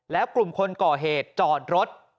แล้วกลุ่มคนก่อเหตุจอดรถ